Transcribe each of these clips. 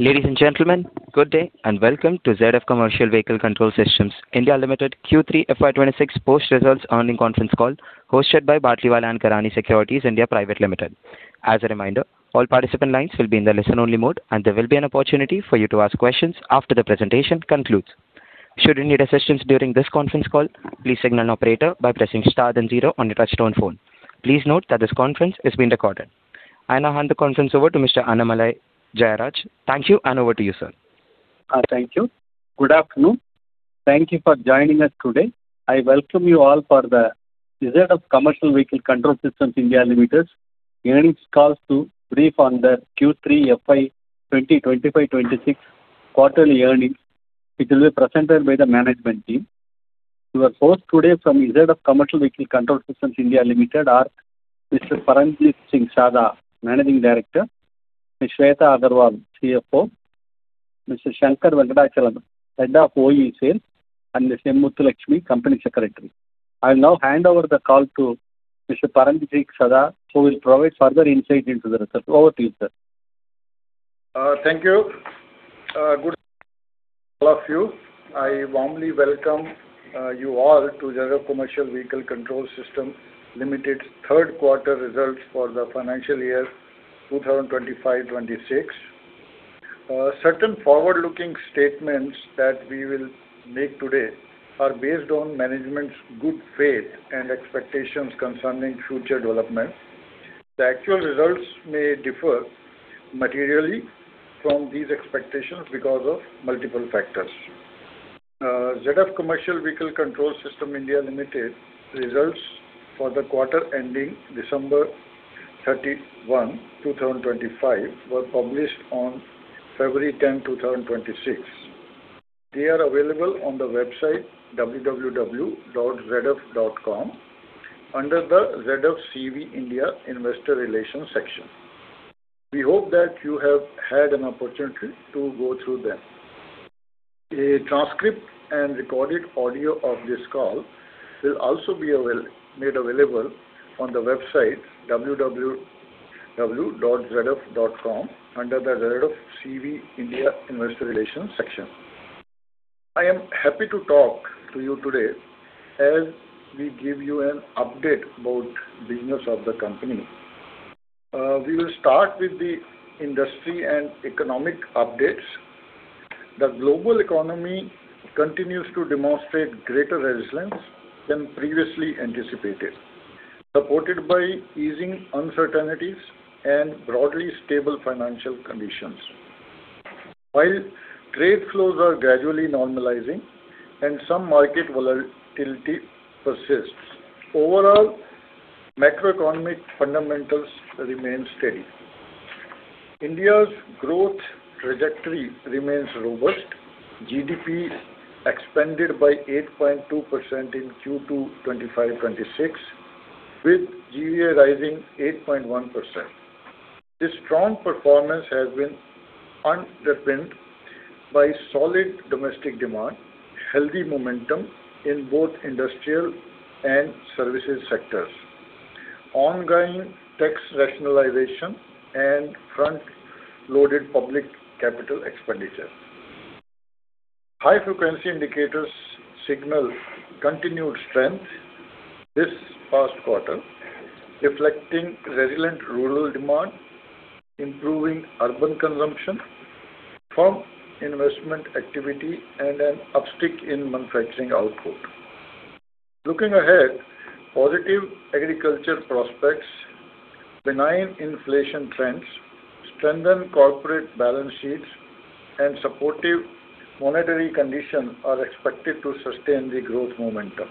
Ladies and gentlemen, good day, and welcome to ZF Commercial Vehicle Control Systems India Limited Q3 FY26 Post-Results Earnings Conference Call, hosted by Batlivala & Karani Securities India Private Limited. As a reminder, all participant lines will be in the listen-only mode, and there will be an opportunity for you to ask questions after the presentation concludes. Should you need assistance during this conference call, please signal an operator by pressing star then zero on your touchtone phone. Please note that this conference is being recorded. I now hand the conference over to Mr. Annamalai Jayaraj. Thank you, and over to you, sir. Thank you. Good afternoon. Thank you for joining us today. I welcome you all for the result of ZF Commercial Vehicle Control Systems India Limited Earnings Call to brief on the Q3 FY 2025-26 quarterly earnings, which will be presented by the management team. Your host today from ZF Commercial Vehicle Control Systems India Limited are Mr. Paramjit Singh Sada, Managing Director, Ms. Shweta Agarwal, CFO, Mr. Shankar Venkatachalam, Head of OE Sales, and Ms. Muthulakshmi, Company Secretary. I'll now hand over the call to Mr. Paramjit Singh Sada, who will provide further insight into the results. Over to you, sir. Thank you. Good all of you. I warmly welcome you all to ZF Commercial Vehicle Control Systems India Limited Third Quarter Results for the Financial Year 2025-2026. Certain forward-looking statements that we will make today are based on management's good faith and expectations concerning future development. The actual results may differ materially from these expectations because of multiple factors. ZF Commercial Vehicle Control Systems India Limited results for the quarter ending December 31, 2025, were published on February 10, 2026. They are available on the website www.zf.com, under the ZF CV India Investor Relations section. We hope that you have had an opportunity to go through them. A transcript and recorded audio of this call will also be made available on the website www.zf.com, under the ZF CV India Investor Relations section. I am happy to talk to you today as we give you an update about business of the company. We will start with the industry and economic updates. The global economy continues to demonstrate greater resilience than previously anticipated, supported by easing uncertainties and broadly stable financial conditions. While trade flows are gradually normalizing and some market volatility persists, overall macroeconomic fundamentals remain steady. India's growth trajectory remains robust. GDP expanded by 8.2% in Q2 2025-26, with GVA rising 8.1%. This strong performance has been underpinned by solid domestic demand, healthy momentum in both industrial and services sectors, ongoing tax rationalization, and front-loaded public capital expenditure. High-frequency indicators signal continued strength this past quarter, reflecting resilient rural demand, improving urban consumption, firm investment activity, and an uptick in manufacturing output. Looking ahead, positive agriculture prospects, benign inflation trends, strengthened corporate balance sheets, and supportive monetary conditions are expected to sustain the growth momentum.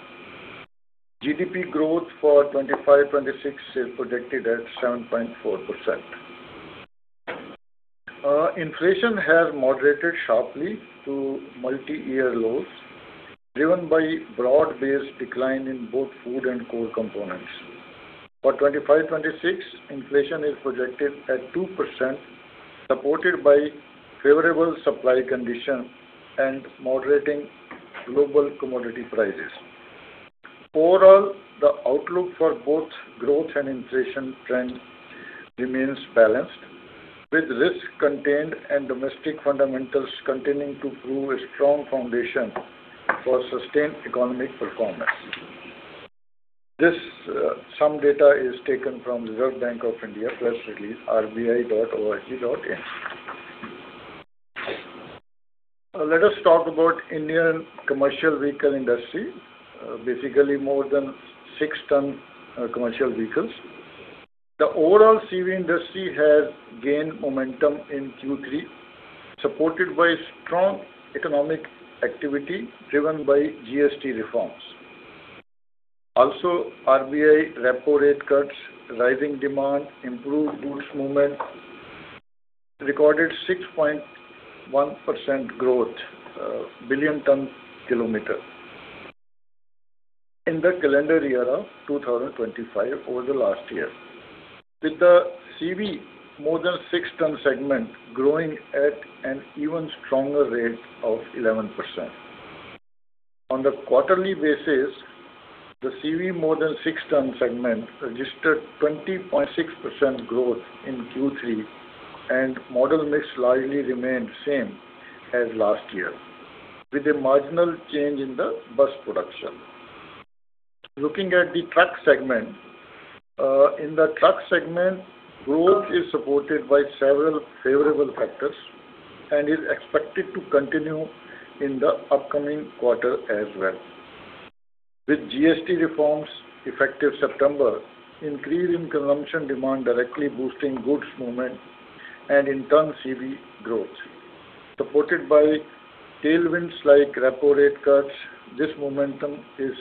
GDP growth for 25, 26 is projected at 7.4%. Inflation has moderated sharply to multi-year lows, driven by broad-based decline in both food and core components. For 25, 26, inflation is projected at 2%, supported by favorable supply conditions and moderating global commodity prices. Overall, the outlook for both growth and inflation trend remains balanced, with risk contained and domestic fundamentals continuing to prove a strong foundation for sustained economic performance. This, some data is taken from Reserve Bank of India press release, rbi.org.in. Let us talk about Indian commercial vehicle industry, basically more than 6 ton commercial vehicles. The overall CV industry has gained momentum in Q3, supported by strong economic activity driven by GST reforms. Also, RBI repo rate cuts, rising demand, improved goods movement recorded 6.1% growth, billion ton-kilometer in the calendar year of 2025 over the last year, with the CV more than 6-ton segment growing at an even stronger rate of 11%.On the quarterly basis, the CV more than 6-ton segment registered 20.6% growth in Q3, and model mix largely remained same as last year, with a marginal change in the bus production. Looking at the truck segment, in the truck segment, growth is supported by several favorable factors and is expected to continue in the upcoming quarter as well. With GST reforms effective September, increase in consumption demand directly boosting goods movement and in turn CV growth. Supported by tailwinds like repo rate cuts, this momentum is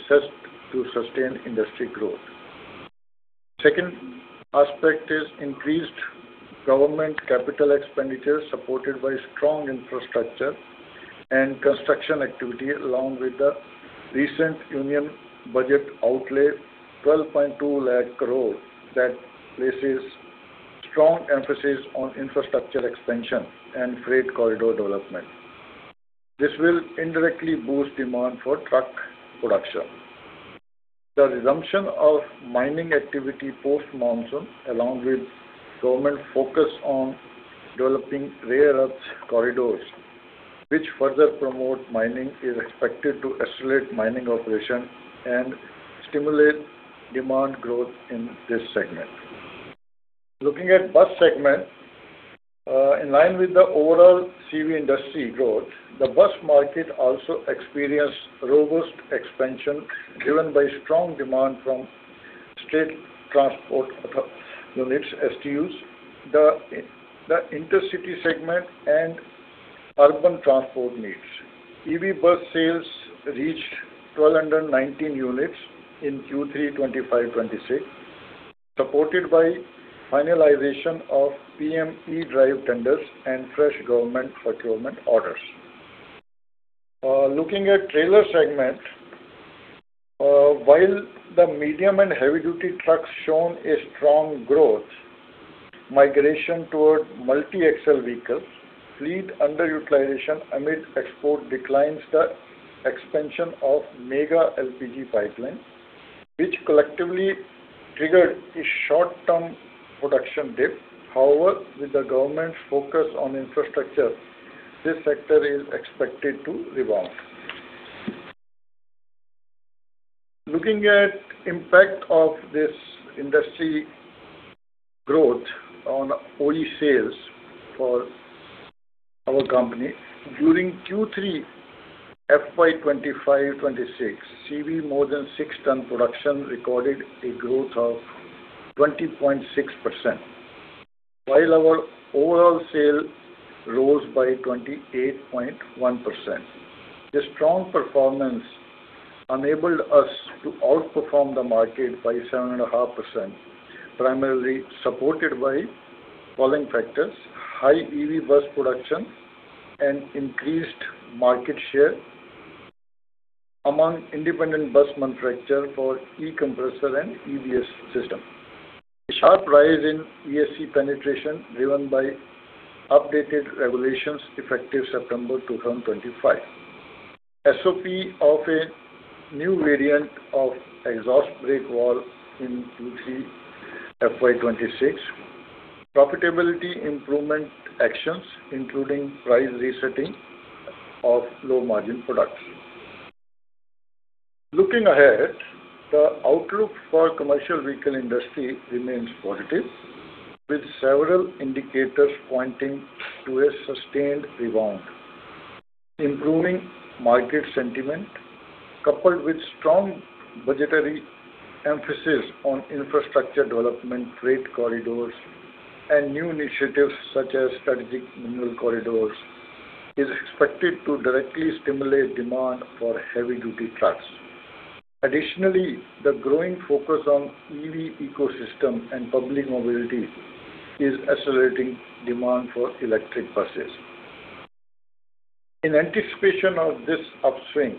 set to sustain industry growth. Second aspect is increased government capital expenditure, supported by strong infrastructure and construction activity, along with the recent union budget outlay, 1,220,000 crore, that places strong emphasis on infrastructure expansion and freight corridor development. This will indirectly boost demand for truck production. The resumption of mining activity post-monsoon, along with government focus on developing rare earth corridors, which further promote mining, is expected to accelerate mining operation and stimulate demand growth in this segment. Looking at bus segment, in line with the overall CV industry growth, the bus market also experienced robust expansion, driven by strong demand from state transport units, STUs, the intercity segment, and urban transport needs. EV bus sales reached 1,219 units in Q3 2025-2026, supported by finalization of PM E-Drive tenders and fresh government procurement orders. Looking at trailer segment, while the medium and heavy duty trucks shown a strong growth, migration toward multi-axle vehicles, fleet underutilization amid export declines, the expansion of mega LPG pipeline, which collectively triggered a short-term production dip. However, with the government's focus on infrastructure, this sector is expected to rebound. Looking at impact of this industry growth on OE sales for our company. During Q3, FY 2025-2026, CV more than 6 ton production recorded a growth of 20.6%, while our overall sale rose by 28.1%. This strong performance enabled us to outperform the market by 7.5%, primarily supported by following factors: High EV bus production and increased market share among independent bus manufacturer for e-compressor and EBS system. A sharp rise in ESC penetration, driven by updated regulations effective September 2025. SOP of a new variant of exhaust brake valve in Q3 FY 2026. Profitability improvement actions, including price resetting of low-margin products. Looking ahead, the outlook for commercial vehicle industry remains positive, with several indicators pointing to a sustained rebound. Improving market sentiment, coupled with strong budgetary emphasis on infrastructure development, freight corridors, and new initiatives such as strategic manual corridors, is expected to directly stimulate demand for heavy duty trucks. Additionally, the growing focus on EV ecosystem and public mobility is accelerating demand for electric buses. In anticipation of this upswing,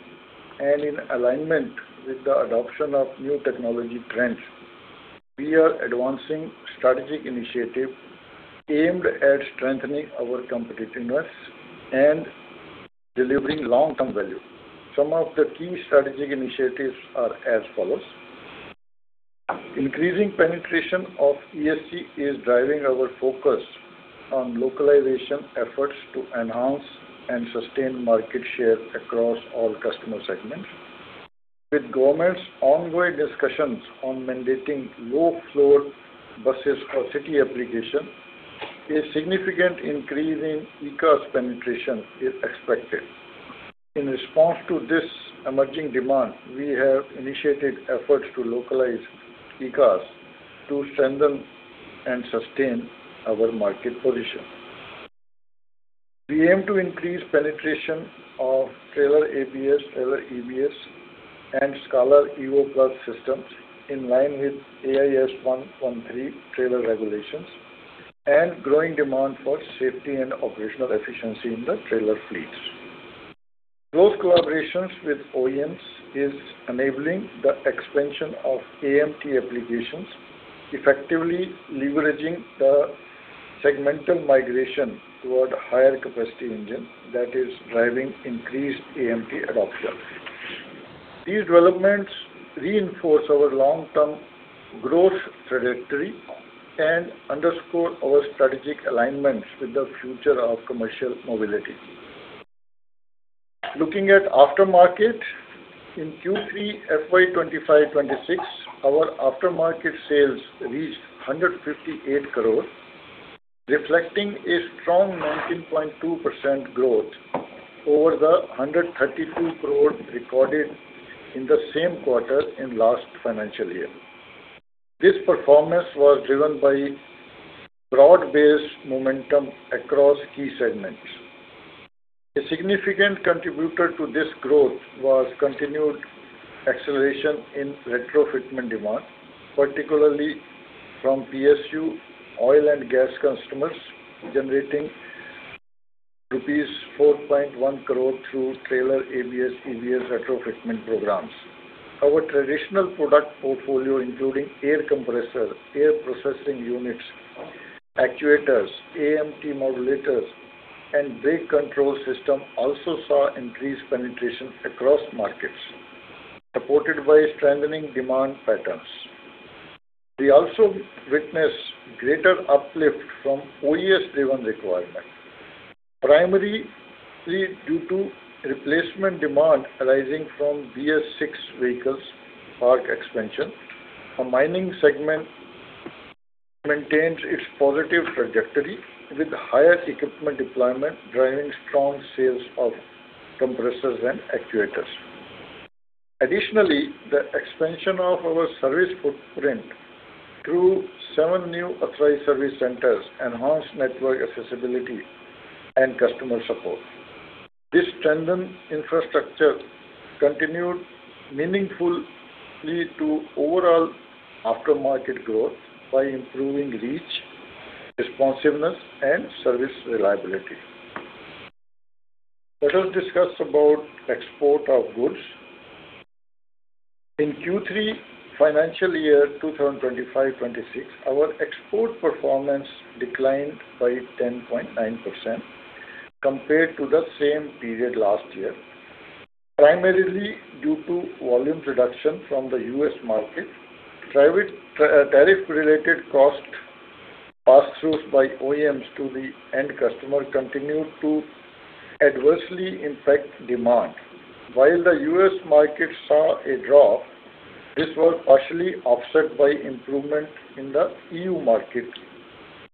and in alignment with the adoption of new technology trends, we are advancing strategic initiative aimed at strengthening our competitiveness and delivering long-term value. Some of the key strategic initiatives are as follows: Increasing penetration of ESC is driving our focus on localization efforts to enhance and sustain market share across all customer segments. With the government's ongoing discussions on mandating low-floor buses for city application, a significant increase in ECAS penetration is expected. In response to this emerging demand, we have initiated efforts to localize ECAS to strengthen and sustain our market position. We aim to increase penetration of trailer ABS, trailer EBS, and SCALAR Evo Pulse systems in line with AIS 113 trailer regulations and growing demand for safety and operational efficiency in the trailer fleets. Close collaborations with OEMs is enabling the expansion of AMT applications, effectively leveraging the segmental migration toward higher capacity engine that is driving increased AMT adoption. These developments reinforce our long-term growth trajectory and underscore our strategic alignments with the future of commercial mobility. Looking at aftermarket, in Q3, FY 2025-2026, our aftermarket sales reached 158 crore, reflecting a strong 19.2% growth over the 132 crore recorded in the same quarter in last financial year. This performance was driven by broad-based momentum across key segments. A significant contributor to this growth was continued acceleration in retrofitment demand, particularly from PSU, oil and gas customers, generating rupees 4.1 crore through trailer ABS, EBS retrofitting programs. Our traditional product portfolio, including air compressor, air processing units, actuators, AMT modulators, and brake control system, also saw increased penetration across markets, supported by strengthening demand patterns. We also witness greater uplift from OES-driven requirement, primarily due to replacement demand arising from BS-VI vehicles park expansion. Our mining segment maintains its positive trajectory, with higher equipment deployment, driving strong sales of compressors and actuators. Additionally, the expansion of our service footprint through seven new authorized service centers enhanced network accessibility and customer support. This tandem infrastructure continued meaningfully to overall aftermarket growth by improving reach, responsiveness, and service reliability. Let us discuss about export of goods. In Q3 financial year 2025-2026, our export performance declined by 10.9% compared to the same period last year, primarily due to volume reduction from the U.S. market. Private, tariff-related cost pass-throughs by OEMs to the end customer continued to adversely impact demand. While the U.S. market saw a drop, this was partially offset by improvement in the E.U. market.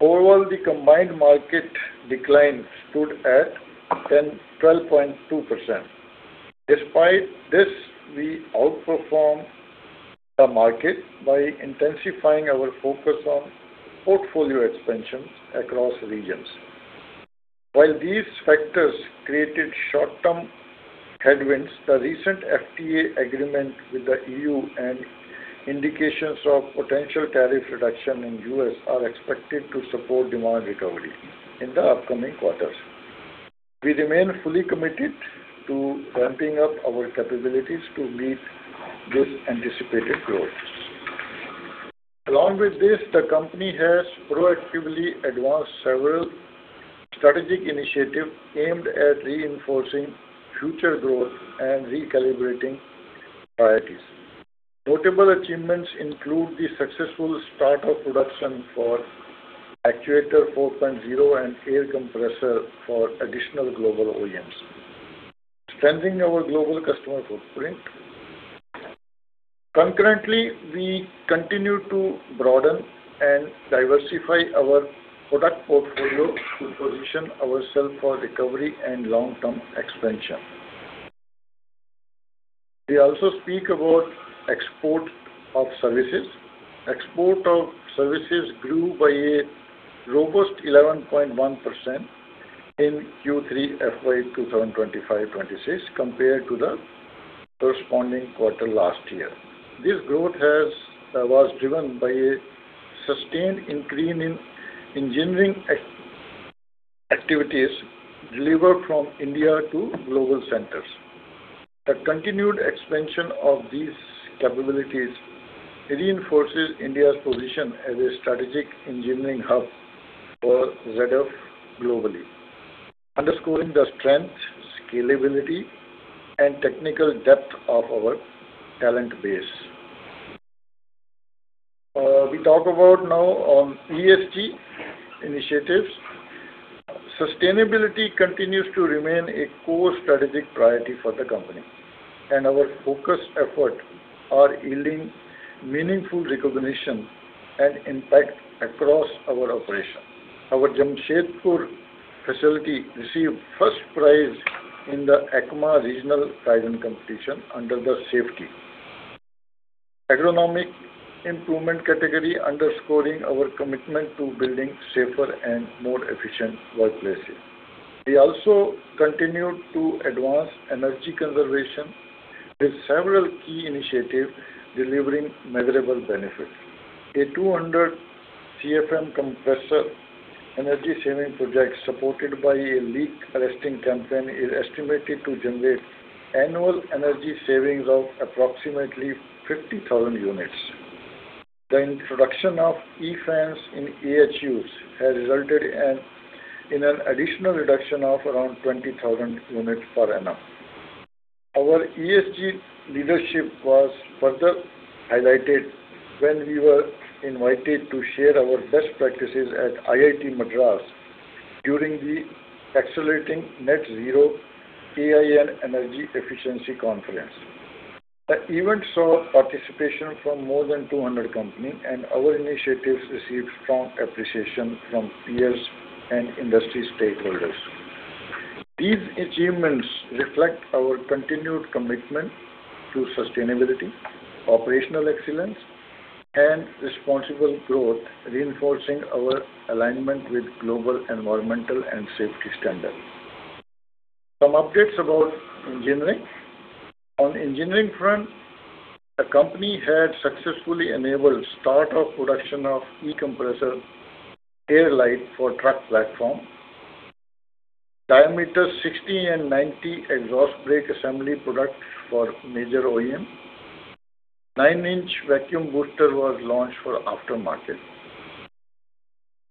Overall, the combined market decline stood at 10-12.2%. Despite this, we outperformed the market by intensifying our focus on portfolio expansion across regions. While these factors created short-term headwinds, the recent FTA agreement with the EU and indications of potential tariff reduction in US are expected to support demand recovery in the upcoming quarters. We remain fully committed to ramping up our capabilities to meet these anticipated growths. Along with this, the company has proactively advanced several strategic initiatives aimed at reinforcing future growth and recalibrating priorities. Notable achievements include the successful start of production for Actuator 4.0 and air compressor for additional global OEMs, strengthening our global customer footprint. Concurrently, we continue to broaden and diversify our product portfolio to position ourselves for recovery and long-term expansion. We also speak about export of services. Export of services grew by a robust 11.1% in Q3 FY 2025-2026, compared to the corresponding quarter last year. This growth was driven by a sustained increase in engineering activities delivered from India to global centers. The continued expansion of these capabilities reinforces India's position as a strategic engineering hub for ZF globally, underscoring the strength, scalability, and technical depth of our talent base. We talk about now on ESG initiatives. Sustainability continues to remain a core strategic priority for the company, and our focused effort are yielding meaningful recognition and impact across our operation. Our Jamshedpur facility received first prize in the ACMA Regional Kaizen Competition under the Safety Ergonomic Improvement category, underscoring our commitment to building safer and more efficient workplaces. We also continued to advance energy conservation with several key initiatives delivering measurable benefits. A 200 CFM compressor energy saving project, supported by a leak arresting campaign, is estimated to generate annual energy savings of approximately 50,000 units. The introduction of eFans in AHUs has resulted in an additional reduction of around 20,000 units per annum. Our ESG leadership was further highlighted when we were invited to share our best practices at IIT Madras during the Accelerating Net Zero AI and Energy Efficiency Conference. The event saw participation from more than 200 companies, and our initiatives received strong appreciation from peers and industry stakeholders. These achievements reflect our continued commitment to sustainability, operational excellence, and responsible growth, reinforcing our alignment with global environmental and safety standards. Some updates about engineering. On engineering front, the company had successfully enabled start of production of eCompressor Air Lite for truck platform, diameter 60 and 90 exhaust brake assembly product for major OEM. 9-inch Vacuum Booster was launched for aftermarket.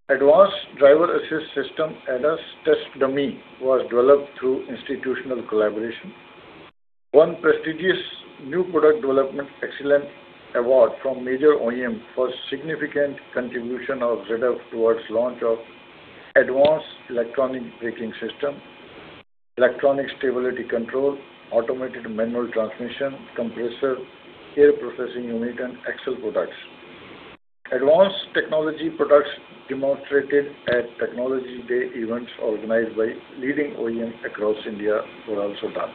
Advanced Driver Assistance System ADAS test dummy was developed through institutional collaboration. One prestigious new product development excellence award from major OEM for significant contribution of ZF towards launch of advanced Electronic Braking System, Electronic Stability Control, Automated Manual Transmission, compressor, Air Processing Unit, and axle products. Advanced technology products demonstrated at Technology Day events organized by leading OEM across India were also done.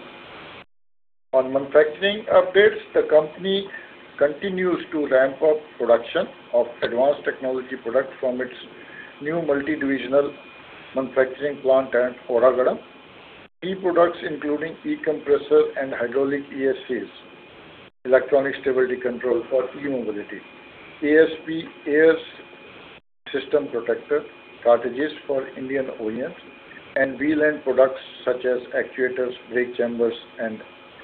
On manufacturing updates, the company continues to ramp up production of advanced technology products from its new multi-divisional manufacturing plant at Oragadam. Key products including eCompressor and hydraulic ESCs, Electronic Stability Control for e-mobility, ASP Air System Protector cartridges for Indian OEMs, and wheel end products such as actuators, brake chambers, and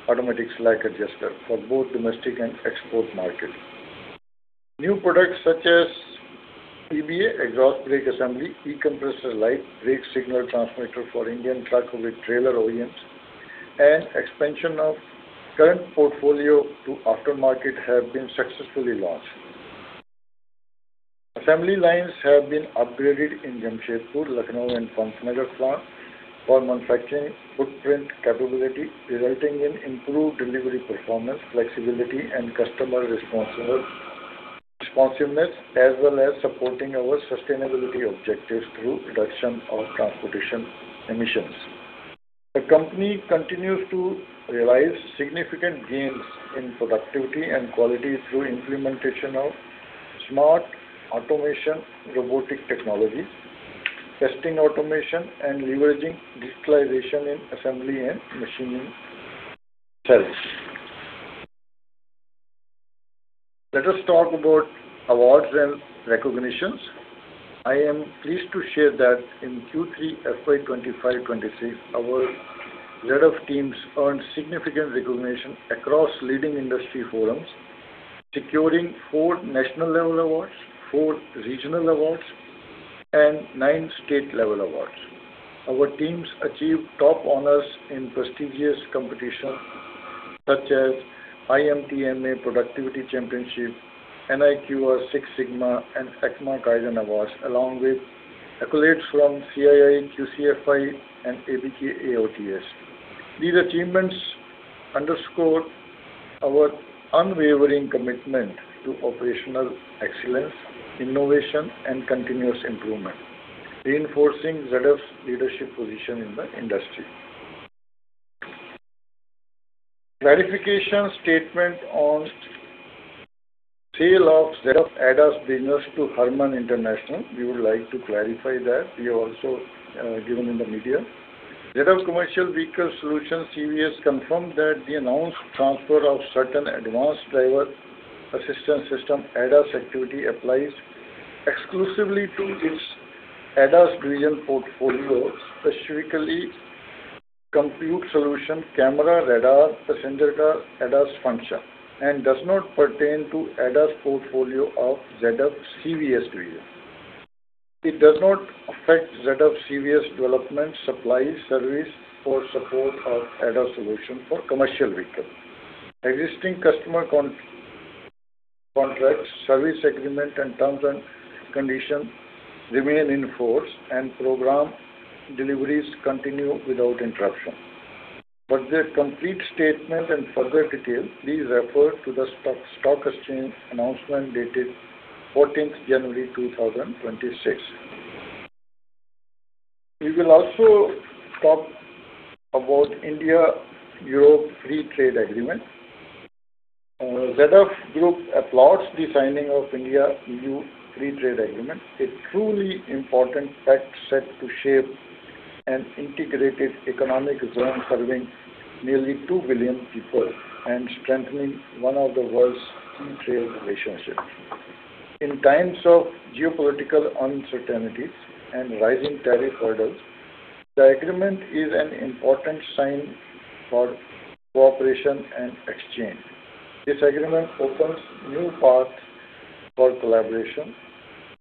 automatic slack adjuster for both domestic and export market. New products such as PBA, exhaust brake assembly, eCompressor Lite, brake signal transmitter for Indian truck with trailer OEMs, and expansion of current portfolio to aftermarket have been successfully launched. Assembly lines have been upgraded in Jamshedpur, Lucknow, and Pimpri plant for manufacturing footprint capability, resulting in improved delivery, performance, flexibility, and customer responsiveness, as well as supporting our sustainability objectives through reduction of transportation emissions. The company continues to realize significant gains in productivity and quality through implementation of smart automation, robotic technologies, testing automation, and leveraging digitalization in assembly and machining cells. Let us talk about awards and recognitions. I am pleased to share that in Q3 FY '25, '26, our ZF teams earned significant recognition across leading industry forums, securing four national level awards, four regional awards, and nine state level awards. Our teams achieved top honors in prestigious competitions such as IMTMA Productivity Championship, NIQR Six Sigma, and ACMA Kaizen Awards, along with accolades from CII, QCFI, and ABK AOTS. These achievements underscore our unwavering commitment to operational excellence, innovation, and continuous improvement, reinforcing ZF's leadership position in the industry. Clarification statement on sale of ZF ADAS business to Harman International. We would like to clarify that we are also, given in the media. ZF Commercial Vehicle Control Systems, CVS, confirmed that the announced transfer of certain advanced driver assistance system, ADAS activity, applies exclusively to its ADAS division portfolio, specifically compute solution, camera, radar, passenger car, ADAS function, and does not pertain to ADAS portfolio of ZF CVS division. It does not affect ZF CVS development, supply, service, or support of ADAS solution for commercial vehicles. Existing customer contracts, service agreement, and terms and conditions remain in force, and program deliveries continue without interruption. For the complete statement and further details, please refer to the stock exchange announcement dated 14 January 2026. We will also talk about India-Europe Free Trade Agreement. ZF Group applauds the signing of India-EU Free Trade Agreement, a truly important pact set to shape an integrated economic zone serving nearly 2 billion people and strengthening one of the world's key trade relationships. In times of geopolitical uncertainties and rising tariff hurdles. The agreement is an important sign for cooperation and exchange. This agreement opens new paths for collaboration,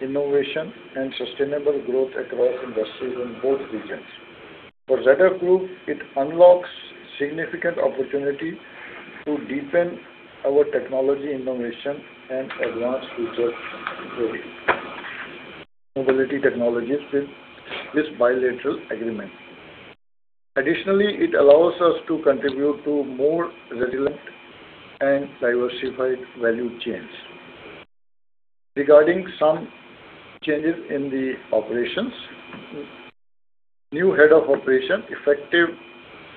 innovation, and sustainable growth across industries in both regions. For ZF Group, it unlocks significant opportunity to deepen our technology innovation and advance future mobility technologies with this bilateral agreement. Additionally, it allows us to contribute to more resilient and diversified value chains. Regarding some changes in the operations, new head of operation, effective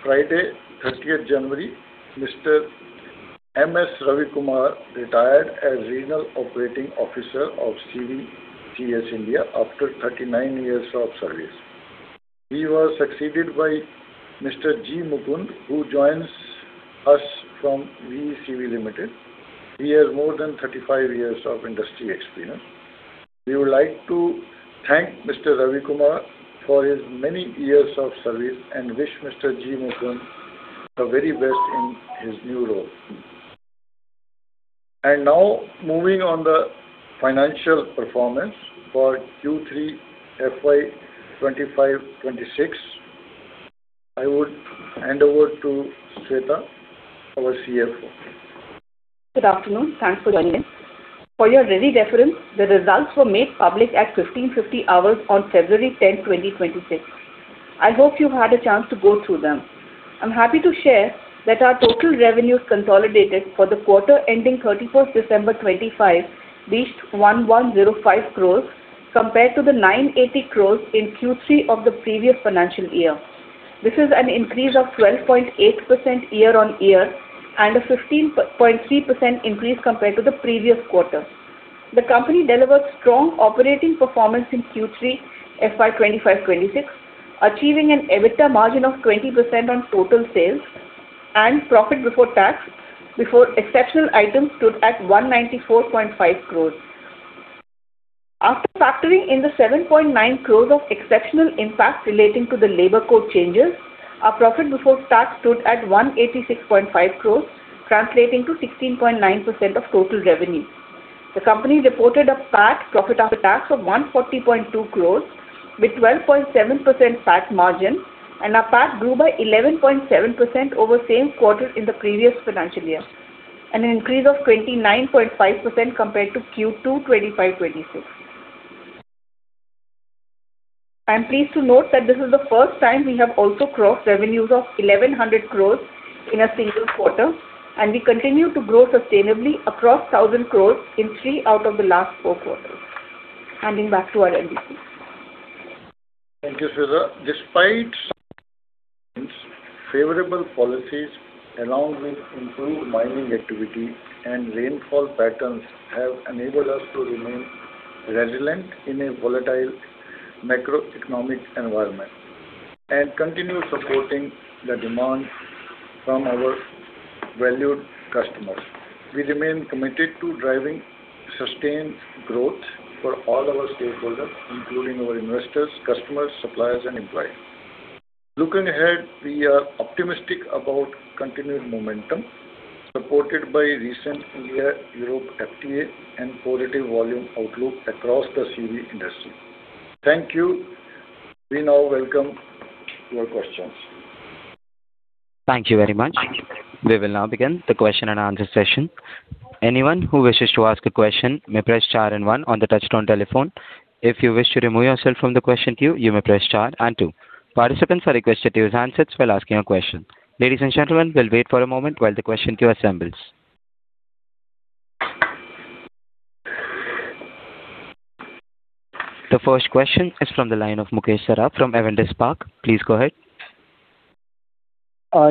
Friday, 30th January, Mr. M. S. Ravikumar retired as Regional Operating Officer of CVCS India after 39 years of service. He was succeeded by Mr. G. Mukund, who joins us from VECV Limited. He has more than 35 years of industry experience. We would like to thank Mr. Ravikumar for his many years of service, and wish Mr. G. Mukund the very best in his new role. And now, moving on the financial performance for Q3 FY 2025-2026, I would hand over to Shweta, our CFO. Good afternoon. Thanks for joining in. For your ready reference, the results were made public at 3:50 P.M. on February 10, 2026. I hope you've had a chance to go through them. I'm happy to share that our total revenues consolidated for the quarter ending December 31, 2025, reached 1,105 crores, compared to 980 crores in Q3 of the previous financial year. This is an increase of 12.8% year-on-year, and a 15.3% increase compared to the previous quarter. The company delivered strong operating performance in Q3 FY '25, '26, achieving an EBITDA margin of 20% on total sales, and profit before tax, before exceptional items stood at 194.5 crores. After factoring in the 7.9 crores of exceptional impact relating to the labor code changes, our profit before tax stood at 186.5 crores, translating to 16.9% of total revenue. The company reported a PAT, profit after tax, of 140.2 crores, with 12.7% PAT margin, and our PAT grew by 11.7% over same quarter in the previous financial year, and an increase of 29.5% compared to Q2 25-26. I am pleased to note that this is the first time we have also crossed revenues of 1,100 crores in a single quarter, and we continue to grow sustainably across 1,000 crores in three out of the last four quarters. Handing back to our MBC. Thank you, Shweta. Despite favorable policies, along with improved mining activity and rainfall patterns, have enabled us to remain resilient in a volatile macroeconomic environment and continue supporting the demand from our valued customers. We remain committed to driving sustained growth for all our stakeholders, including our investors, customers, suppliers, and employees. Looking ahead, we are optimistic about continued momentum, supported by recent India-Europe FTA and positive volume outlook across the CV industry. Thank you. We now welcome your questions. Thank you very much. We will now begin the question-and-answer session. Anyone who wishes to ask a question may press star and one on the touchtone telephone. If you wish to remove yourself from the question queue, you may press star and two. Participants are requested to use handsets while asking a question. Ladies and gentlemen, we'll wait for a moment while the question queue assembles. The first question is from the line of Mukesh Saraf from Avendus Spark. Please go ahead.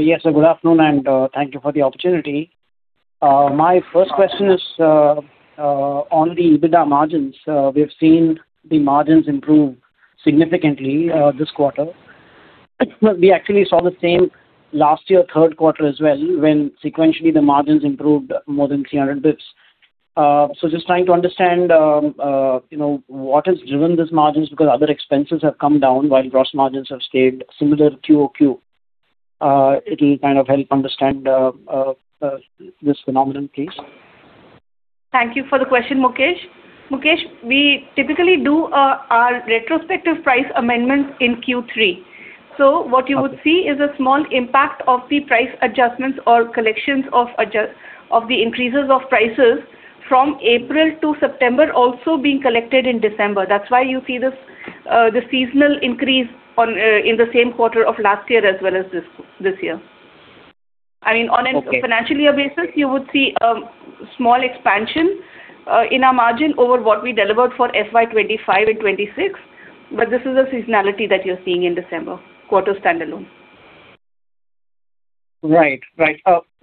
Yes, sir. Good afternoon, and thank you for the opportunity. My first question is on the EBITDA margins. We have seen the margins improve significantly this quarter. We actually saw the same last year, third quarter as well, when sequentially, the margins improved more than 300 basis points. So just trying to understand, you know, what has driven these margins, because other expenses have come down while gross margins have stayed similar QOQ. It will kind of help understand this phenomenon, please. Thank you for the question, Mukesh. Mukesh, we typically do our retrospective price amendments in Q3. So what you would see is a small impact of the price adjustments or collections of the increases of prices from April to September, also being collected in December. That's why you see this, the seasonal increase on in the same quarter of last year as well as this year. I mean, on a- Okay. Financial year basis, you would see a small expansion in our margin over what we delivered for FY 25 and 26, but this is a seasonality that you're seeing in December quarter standalone. Right.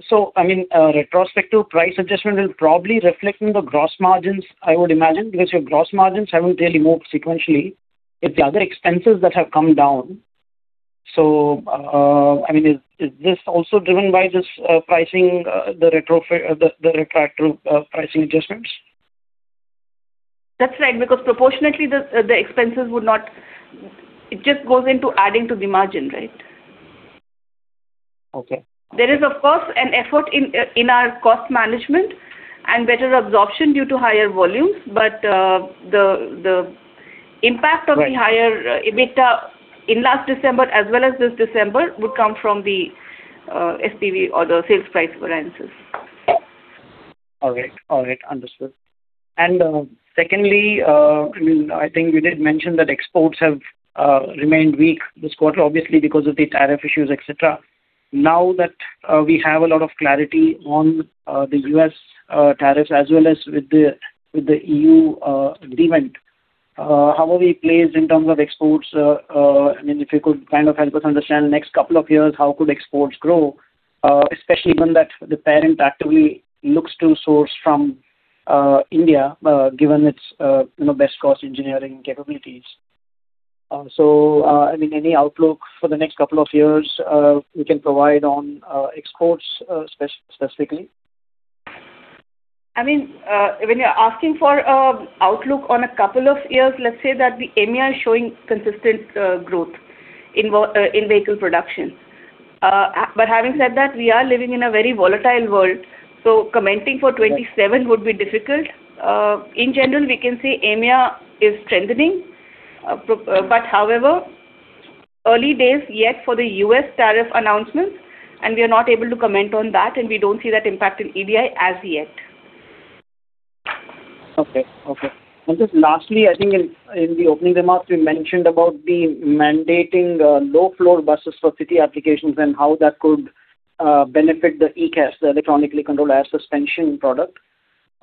So I mean, retrospective price adjustment is probably reflecting the gross margins, I would imagine, because your gross margins haven't really moved sequentially. It's the other expenses that have come down. So, I mean, is this also driven by this pricing, the retroactive pricing adjustments? That's right, because proportionately, the expenses would not, it just goes into adding to the margin, right? Okay. There is, of course, an effort in our cost management and better absorption due to higher volumes, but the impact of the higher EBITDA in last December as well as this December would come from the SPV or the sales price variances. All right, understood. Secondly, I mean, I think you did mention that exports have remained weak this quarter, obviously, because of the tariff issues, et cetera. Now that we have a lot of clarity on the U.S. tariffs, as well as with the E.U. agreement, how are we placed in terms of exports? I mean, if you could kind of help us understand the next couple of years, how could exports grow, especially given that the parent actively looks to source from India, given its, you know, best cost engineering capabilities. I mean, any outlook for the next couple of years you can provide on exports, specifically? I mean, when you're asking for outlook on a couple of years, let's say that the EMEA is showing consistent growth in vehicle production. But having said that, we are living in a very volatile world, so commenting for 2027 would be difficult. In general, we can say EMEA is strengthening. But however, early days yet for the U.S. tariff announcements, and we are not able to comment on that, and we don't see that impact in EDI as yet. Okay. And just lastly, I think in the opening remarks, you mentioned about the mandating of low-floor buses for city applications and how that could benefit the ECAS, the electronically controlled air suspension product.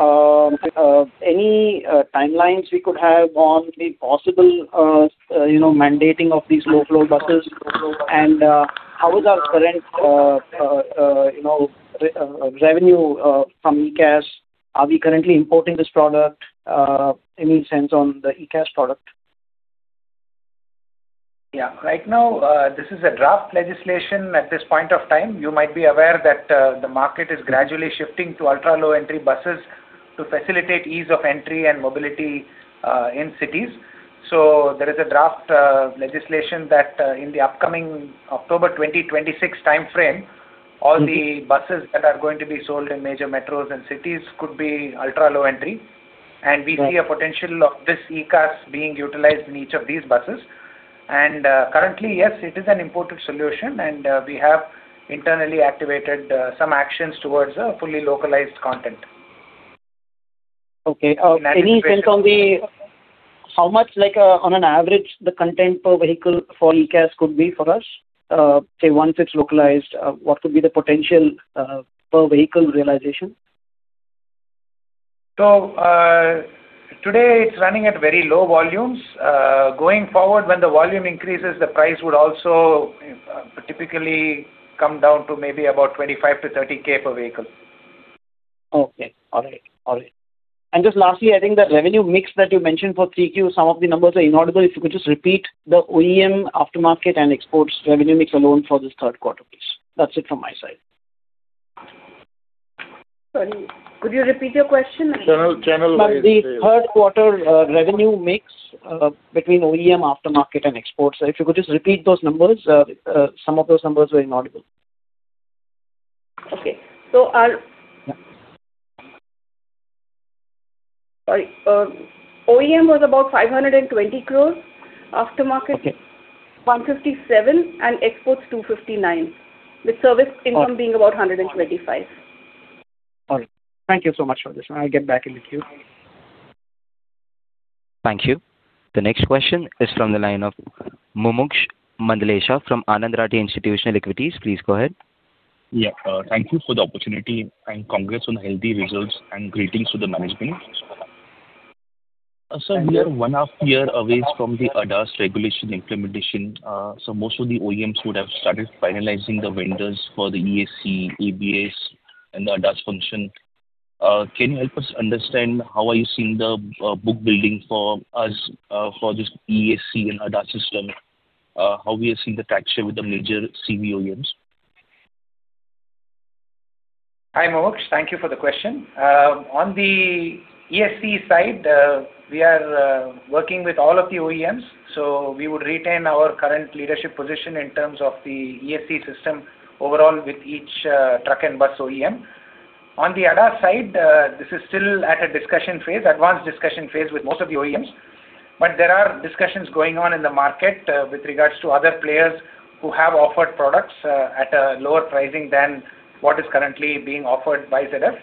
Any timelines we could have on the possible you know mandating of these low-floor buses? And how is our current you know revenue from ECAS? Are we currently importing this product, any sense on the ECAS product? Right now, this is a draft legislation at this point of time. You might be aware that the market is gradually shifting to ultra-low entry buses to facilitate ease of entry and mobility in cities. So there is a draft legislation that in the upcoming October 2026 timeframe, all the buses that are going to be sold in major metros and cities could be ultra-low entry. And we see a potential of this ECAS being utilized in each of these buses. And currently, yes, it is an imported solution, and we have internally activated some actions towards a fully localized content. Any sense on the, how much, like, on an average, the content per vehicle for ECAS could be for us? Say, once it's localized, what could be the potential, per vehicle realization? Today, it's running at very low volumes. Going forward, when the volume increases, the price would also typically come down to maybe about 25,000-30,000 per vehicle. Okay. All right. All right. And just lastly, I think the revenue mix that you mentioned for 3Q, some of the numbers are inaudible. If you could just repeat the OEM aftermarket and exports revenue mix alone for this third quarter, please. That's it from my side. Sorry, could you repeat your question? The third quarter revenue mix between OEM, aftermarket, and exports. So if you could just repeat those numbers, some of those numbers were inaudible. Okay. Sorry, OEM was about 520 crore, aftermarket-INR 157, and exports, 259, with service income being about 125. All right. Thank you so much for this. I'll get back in the queue. Thank you. The next question is from the line of Mumuksh Mandlesha from Anand Rathi Institutional Equities. Please go ahead. Yeah, thank you for the opportunity, and congrats on the healthy results, and greetings to the management. So we are one half year away from the ADAS regulation implementation. So most of the OEMs would have started finalizing the vendors for the ESC, AEBS, and the ADAS function. Can you help us understand how are you seeing the book building for us for this ESC and ADAS system? How we are seeing the market share with the major CV OEMs? Hi, Mumuksh. Thank you for the question. On the ESC side, we are working with all of the OEMs, so we would retain our current leadership position in terms of the ESC system overall with each truck and bus OEM. On the ADAS side, this is still at a discussion phase, advanced discussion phase with most of the OEMs, but there are discussions going on in the market with regards to other players who have offered products at a lower pricing than what is currently being offered by ZF.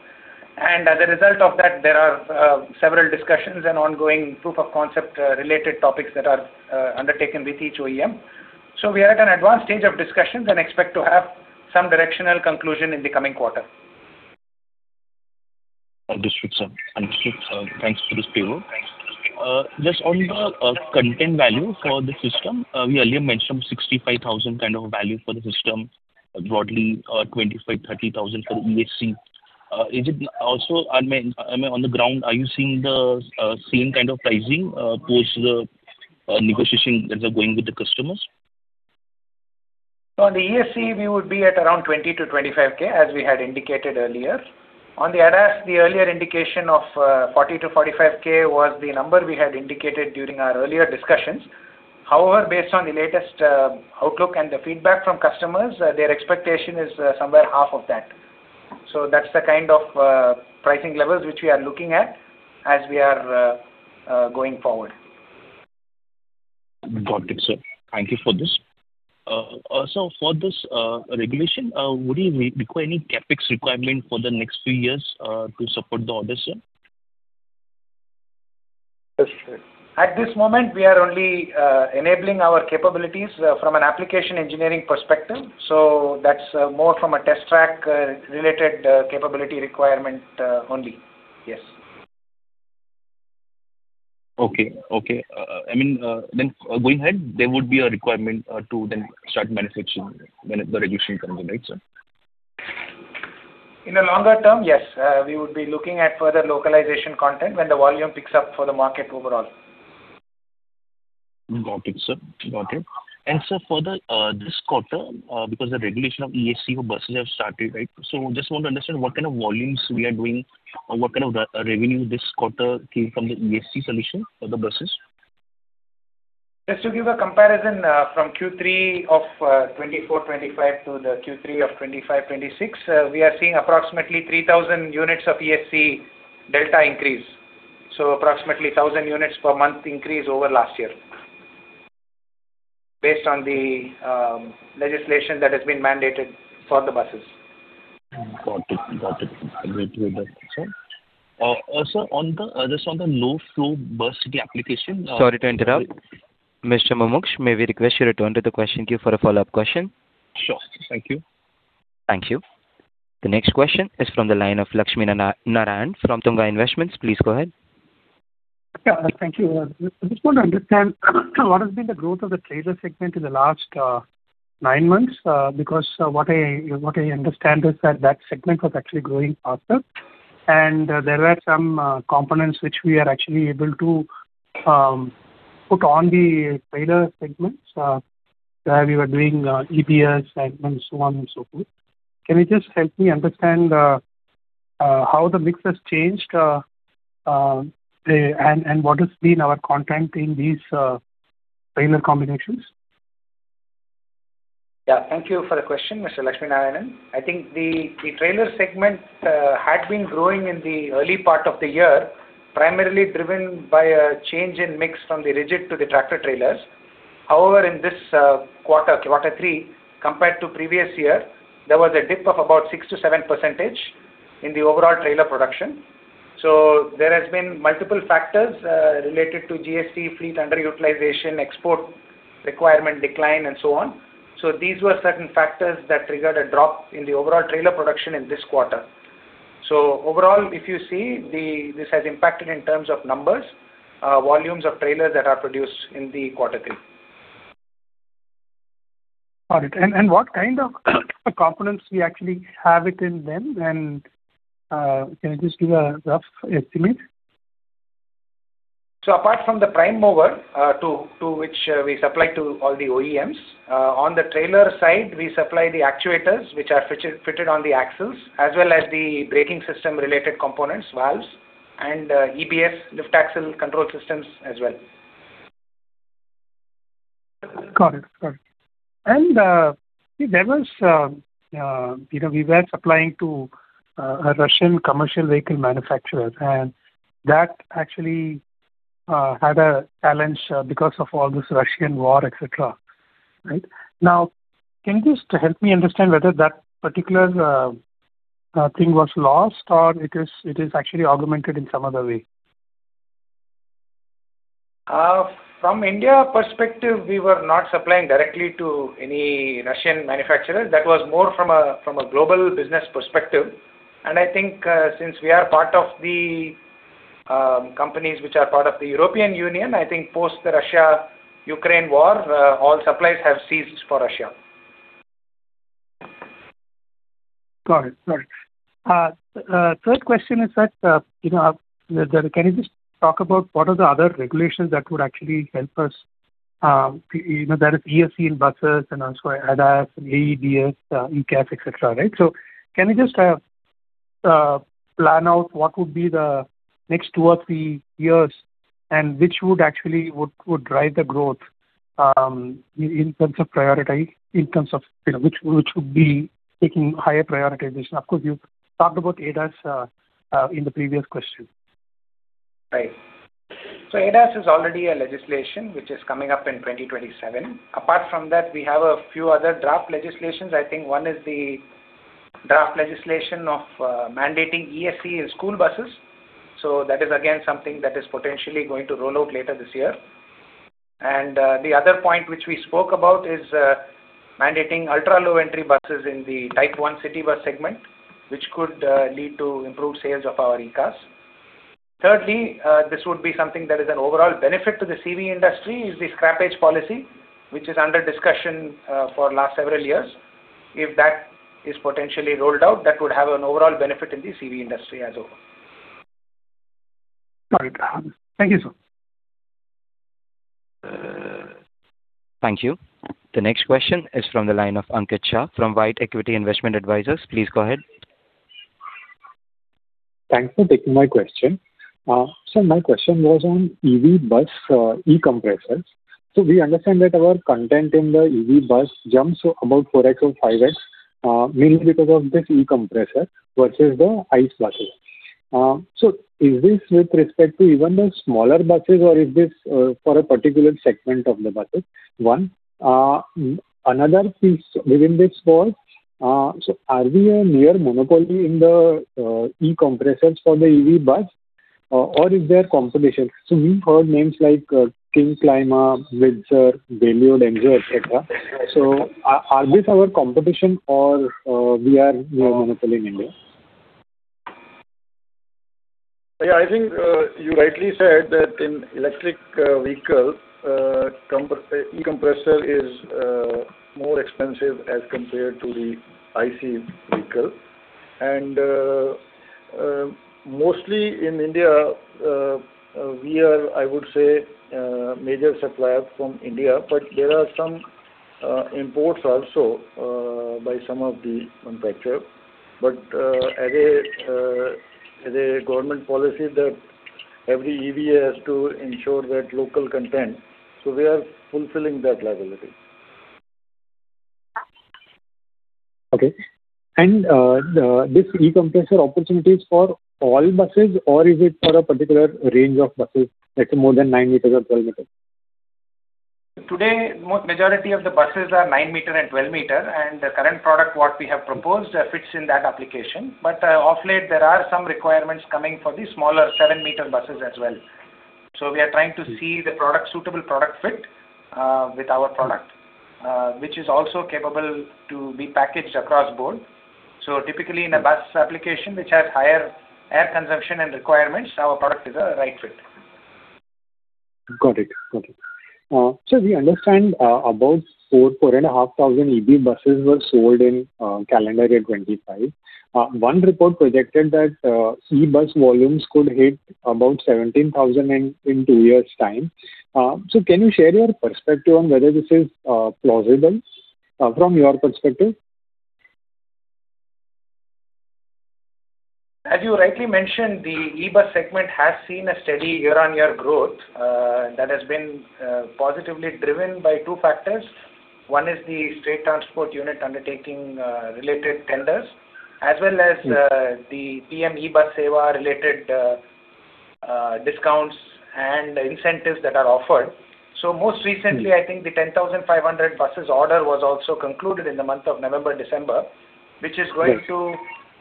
And as a result of that, there are several discussions and ongoing proof of concept related topics that are undertaken with each OEM. So we are at an advanced stage of discussions and expect to have some directional conclusion in the coming quarter. Understood, sir. Understood. Thanks for this payroll. Just on the content value for the system, we earlier mentioned 65,000 kind of a value for the system, broadly, 25,000-30,000 for the ESC. Is it also, I mean, I mean, on the ground, are you seeing the same kind of pricing post the negotiation that are going with the customers? So on the ESC, we would be at around 20K-25K, as we had indicated earlier. On the ADAS, the earlier indication of 40K-45K was the number we had indicated during our earlier discussions. However, based on the latest outlook and the feedback from customers, their expectation is somewhere half of that. So that's the kind of pricing levels which we are looking at as we are going forward. Got it, sir. Thank you for this. So, for this regulation, would you re-require any CapEx requirement for the next few years to support the order, sir? At this moment, we are only enabling our capabilities from an application engineering perspective, so that's more from a test track related capability requirement only. Yes. Okay. I mean, then, going ahead, there would be a requirement to then start manufacturing when the regulation comes in, right, sir? In the longer term, yes. We would be looking at further localization content when the volume picks up for the market overall. Got it, sir. Got it. And, sir, for the, this quarter, because the regulation of ESC for buses have started, right? So just want to understand what kind of volumes we are doing or what kind of revenue this quarter came from the ESC solution for the buses. Just to give a comparison, from Q3 of 2024-2025 to the Q3 of 2025-2026, we are seeing approximately 3,000 units of ESC delta increase, so approximately 1,000 units per month increase over last year, based on the legislation that has been mandated for the buses. Got it. Got it. Agree with that, sir. Also, on the, just on the low-floor bus, the application- Sorry to interrupt. Mr. Mumuksh, may we request you return to the question queue for a follow-up question? Sure. Thank you. Thank you. The next question is from the line of Lakshminarayan from Tunga Investments. Please go ahead. Yeah, thank you. We just want to understand what has been the growth of the trailer segment in the last nine months? Because what I understand is that that segment was actually growing faster, and there were some components which we are actually able to put on the trailer segments, where we were doing EPS segments, so on and so forth. Can you just help me understand how the mix has changed, and what has been our content in these trailer combinations? Yeah, thank you for the question, Mr. Lakshminarayan. I think the trailer segment had been growing in the early part of the year, primarily driven by a change in mix from the rigid to the tractor-trailers. However, in this quarter three, compared to previous year, there was a dip of about 6%-7% in the overall trailer production. So there has been multiple factors related to GST, fleet underutilization, export requirement decline, and so on. So these were certain factors that triggered a drop in the overall trailer production in this quarter. So overall, if you see, this has impacted in terms of numbers, volumes of trailers that are produced in quarter three. Got it. And what kind of components we actually have it in them? And, can you just give a rough estimate? Apart from the prime mover, to which we supply to all the OEMs, on the trailer side, we supply the actuators, which are fitted on the axles, as well as the braking system-related components, valves, and EBF, lift axle control systems as well. Got it. Got it. There was, you know, we were supplying to a Russian commercial vehicle manufacturer, and that actually had a challenge because of all this Russian war, et cetera, right? Now, can you just help me understand whether that particular thing was lost or it is actually augmented in some other way? From India perspective, we were not supplying directly to any Russian manufacturer. That was more from a, from a global business perspective, and I think, since we are part of the companies which are part of the European Union, I think post the Russia-Ukraine war, all supplies have ceased for Russia. Got it. Got it. Third question is that, you know, can you just talk about what are the other regulations that would actually help us, you know, there is ESC in buses and also ADAS, AEBS, ECAS, et cetera, right? So can you just plan out what would be the next two or three years, and which would actually would, would drive the growth, in, in terms of priority, in terms of, you know, which, which would be taking higher prioritization? Of course, you talked about ADAS in the previous question. Right. So ADAS is already a legislation which is coming up in 2027. Apart from that, we have a few other draft legislations. I think one is the draft legislation of mandating ESC in school buses. So that is again something that is potentially going to roll out later this year. And the other point which we spoke about is mandating ultra-low entry buses in the type one city bus segment, which could lead to improved sales of our ECAS. Thirdly, this would be something that is an overall benefit to the CV industry, is the scrappage policy, which is under discussion for last several years. If that is potentially rolled out, that would have an overall benefit in the CV industry as a whole. Got it. Thank you, sir. Thank you. The next question is from the line of Ankit Shah from White Equity Investment Advisors. Please go ahead. Thanks for taking my question. So my question was on EV bus e-compressors. So we understand that our content in the EV bus jumps to about 4x or 5x, mainly because of this e-compressor versus the ICE buses. So is this with respect to even the smaller buses, or is this for a particular segment of the buses? One, another piece within this call, so are we a near monopoly in the e-compressors for the EV bus, or is there competition? So we've heard names like KingClima, Bitzer, Valeo, etc. So are this our competition or we are near monopoly in India? Yeah, I think you rightly said that in electric vehicle, e-compressor is more expensive as compared to the ICE vehicle. And, mostly in India, we are, I would say, major supplier from India, but there are some imports also, by some of the manufacturer. But, as a government policy that every EV has to ensure that local content, so we are fulfilling that liability. Okay. And this e-compressor opportunity is for all buses or is it for a particular range of buses, let's say more than 9 meters or 12 meters? Today, most majority of the buses are 9-meter and 12-meter, and the current product, what we have proposed, fits in that application. But, of late, there are some requirements coming for the smaller 7-meter buses as well. So we are trying to see the product, suitable product fit, with our product, which is also capable to be packaged across board. So typically in a bus application, which has higher air consumption and requirements, our product is a right fit. Got it. Got it. So we understand, about 4-4.5 thousand EV buses were sold in calendar year 2025. One report projected that e-bus volumes could hit about 17,000 in 2 years' time. So can you share your perspective on whether this is plausible from your perspective? As you rightly mentioned, the e-bus segment has seen a steady year-on-year growth, that has been positively driven by two factors. One is the State Transport Undertaking-related tenders, as well as the PM-eBus Sewa-related discounts and incentives that are offered. So most recently, I think the 10,500 buses order was also concluded in the month of November, December, which is going to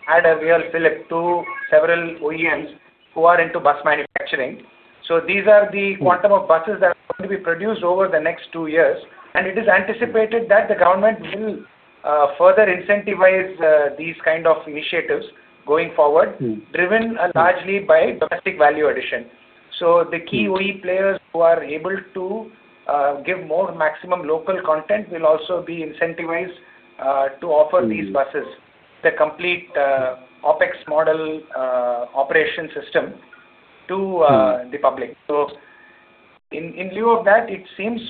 add a real fillip to several OEMs who are into bus manufacturing. So these are the quantum of buses that are going to be produced over the next two years, and it is anticipated that the government will further incentivize these kind of initiatives going forward, driven largely by domestic value addition. So the key OE players who are able to give more maximum local content will also be incentivized to offer these buses, the complete OpEx model, operation system to the public. So in lieu of that, it seems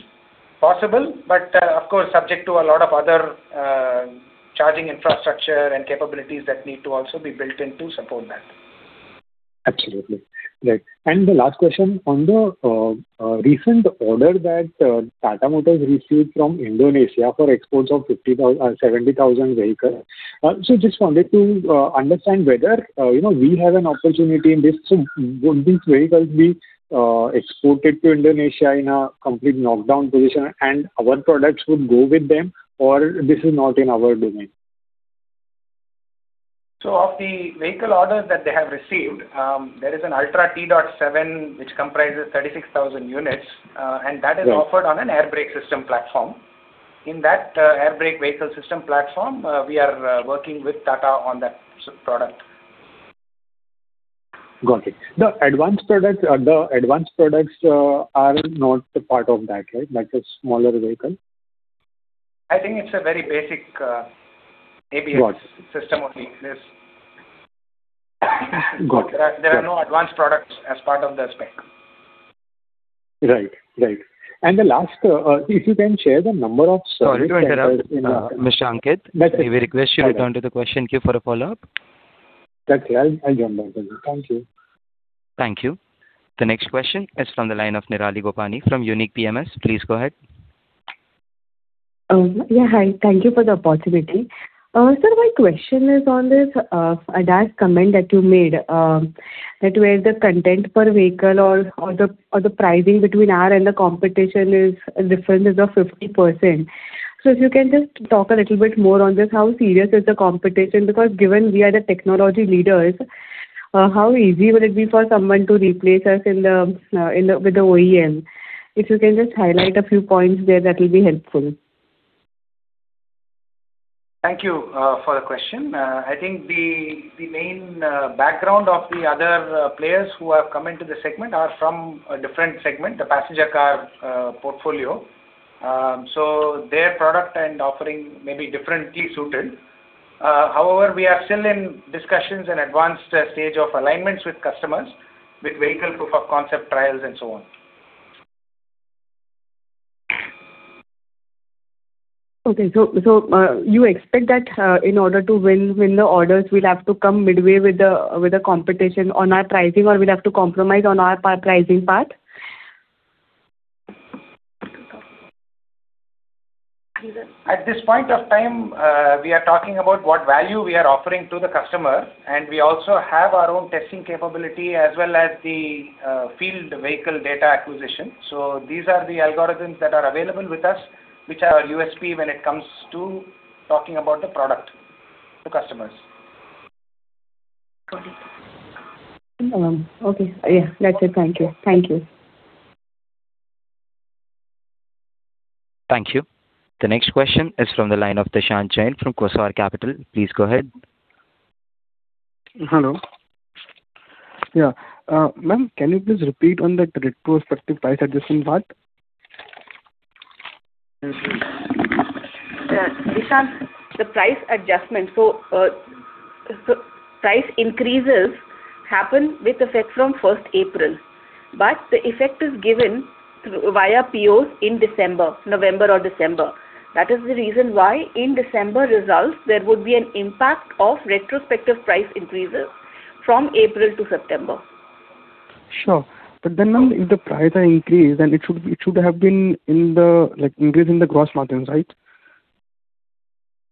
possible, but of course, subject to a lot of other charging infrastructure and capabilities that need to also be built in to support that. Absolutely. Right. The last question on the recent order that Tata Motors received from Indonesia for exports of 70,000 vehicles. So just wanted to understand whether you know we have an opportunity in this, so would these vehicles be exported to Indonesia in a complete knockdown position and our products would go with them, or this is not in our domain? So of the vehicle orders that they have received, there is an Ultra T.7, which comprises 36,000 units, and that is offered on an air brake system platform. In that, air brake vehicle system platform, we are working with Tata on that product. Got it. The advanced product, the advanced products, are not a part of that, right? That is smaller vehicle? I think it's a very basic ABS System only, yes. There are no advanced products as part of the spec. That's it. We request you to return to the question queue for a follow-up. That's it. I'll join back. Thank you. Thank you. The next question is from the line of Nirali Gopani from Unique PMS. Please go ahead. Yeah, hi. Thank you for the opportunity. Sir, my question is on this ADAS comment that you made, that where the content per vehicle or the pricing between our and the competition is a difference of 50%. So if you can just talk a little bit more on this, how serious is the competition? Because given we are the technology leaders, how easy would it be for someone to replace us in the with the OEM? If you can just highlight a few points there, that will be helpful. Thank you for the question. I think the main background of the other players who have come into the segment are from a different segment, the passenger car portfolio. So their product and offering may be differently suited. However, we are still in discussions and advanced stage of alignments with customers, with vehicle proof of concept trials and so on. Okay, so you expect that, in order to win the orders, we'll have to come midway with the competition on our pricing, or we'll have to compromise on our pricing part? At this point of time, we are talking about what value we are offering to the customer, and we also have our own testing capability as well as the field vehicle data acquisition. So these are the algorithms that are available with us, which are our USP when it comes to talking about the product to customers. Got it. Okay. Yeah, that's it. Thank you. Thank you. Thank you. The next question is from the line of Dishant Jain from Kesar Capital. Please go ahead. Hello. Yeah, ma'am, can you please repeat on the retrospective price adjustment part? Dishant, the price adjustment. So, so price increases happen with effect from first April, but the effect is given through via POs in December, November or December. That is the reason why in December results, there would be an impact of retrospective price increases from April to September. Sure. But then, ma'am, if the price are increased, then it should, it should have been in the, like, increase in the gross margins, right?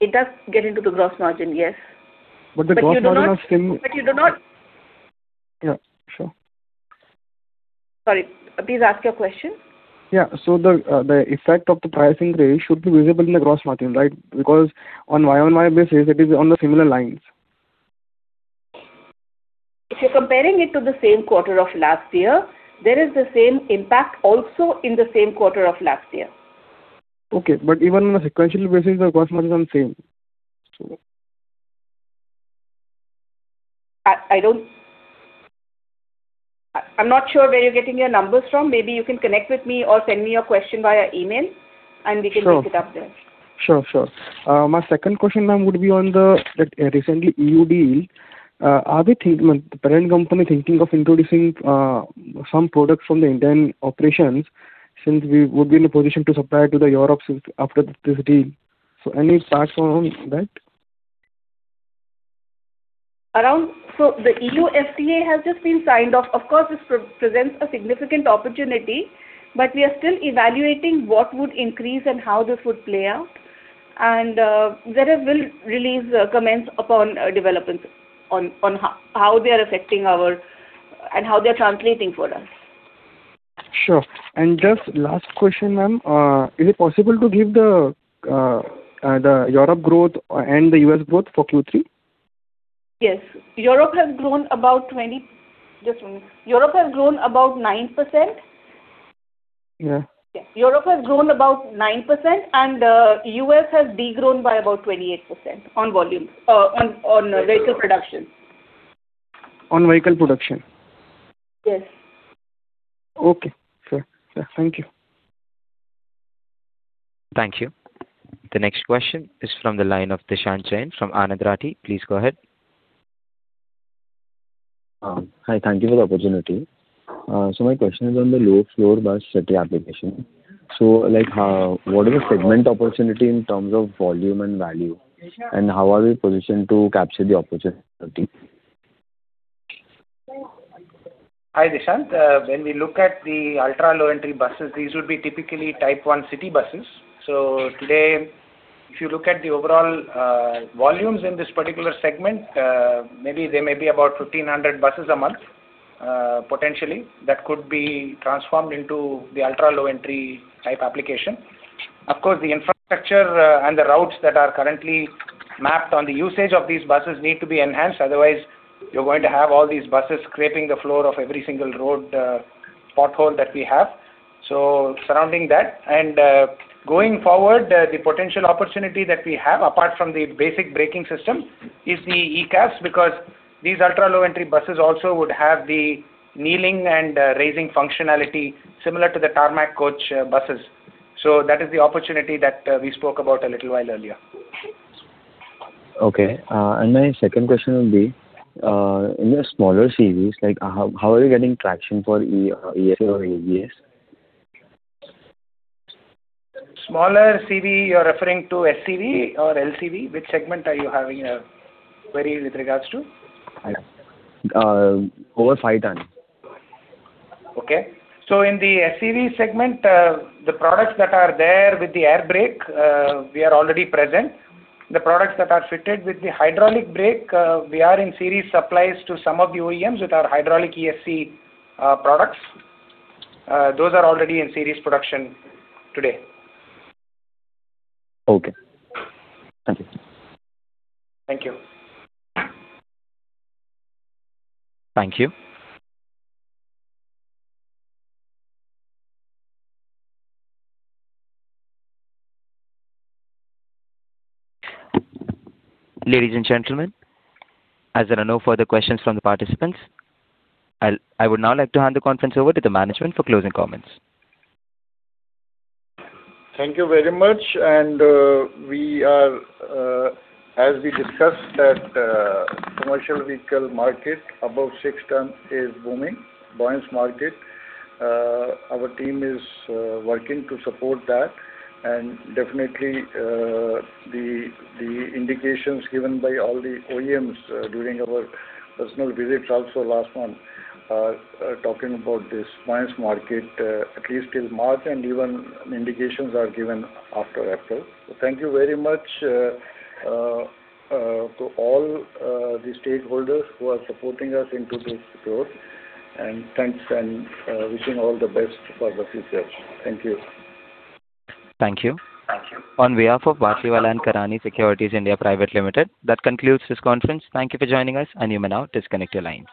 It does get into the gross margin, yes. Sorry, please ask your question. Yeah. So the effect of the pricing raise should be visible in the gross margin, right? Because on Y-on-Y basis, it is on the similar lines. If you're comparing it to the same quarter of last year, there is the same impact also in the same quarter of last year. Okay, but even on a sequential basis, the gross margin is same. I'm not sure where you're getting your numbers from. Maybe you can connect with me or send me your question via email, and we can look it up there. Sure, sure. My second question, ma'am, would be on the, that recent EU deal. Are the parent company thinking of introducing some products from the Indian operations, since we would be in a position to supply to the Europe since after this deal? So any thoughts on that? So the EU FTA has just been signed off. Of course, this presents a significant opportunity, but we are still evaluating what would increase and how this would play out, and whereas we'll release comments upon developments on how they are affecting our and how they are translating for us. Sure. Just last question, ma'am, is it possible to give the Europe growth and the U.S. growth for Q3? Yeah. Europe has grown about 9%, and U.S. has de-grown by about 28% on volume, on vehicle production. On vehicle production? Yes. Okay. Sure. Yeah. Thank you. Thank you. The next question is from the line of Dishant Jain from Anand Rathi. Please go ahead. Hi. Thank you for the opportunity. So my question is on the low-floor bus city application. So, like, how, what is the segment opportunity in terms of volume and value, and how are we positioned to capture the opportunity? Hi, Dishant. When we look at the ultra-low entry buses, these would be typically type one city buses. So today, if you look at the overall volumes in this particular segment, maybe there may be about 1,500 buses a month, potentially, that could be transformed into the ultra-low entry type application. Of course, the infrastructure and the routes that are currently mapped on the usage of these buses need to be enhanced. Otherwise, you're going to have all these buses scraping the floor of every single road pothole that we have. So surrounding that, and going forward, the potential opportunity that we have, apart from the basic braking system, is the ECAS, because these ultra-low entry buses also would have the kneeling and raising functionality similar to the Tata coach buses. That is the opportunity that we spoke about a little while earlier. Okay. My second question would be, in the smaller CVs, like, how are you getting traction for ESC or ECAS? Smaller CV, you're referring to SCV or LCV? Which segment are you having a query with regards to? Over 5 ton. Okay. In the SCV segment, the products that are there with the air brake, we are already present. The products that are fitted with the hydraulic brake, we are in series supplies to some of the OEMs with our hydraulic ESC products. Those are already in series production today. Okay. Thank you. Thank you. Thank you. Ladies and gentlemen, as there are no further questions from the participants, I would now like to hand the conference over to the management for closing comments. Thank you very much, and we are, as we discussed, that commercial vehicle market, above six ton, is booming, buoyant market. Our team is working to support that, and definitely, the indications given by all the OEMs during our personal visits also last month are talking about this buoyant market, at least till March, and even indications are given after April. So thank you very much to all the stakeholders who are supporting us into this growth, and thanks, and wishing all the best for the future. Thank you. Thank you. Thank you. On behalf of Batlivala & Karani Securities India Private Limited, that concludes this conference. Thank you for joining us, and you may now disconnect your lines.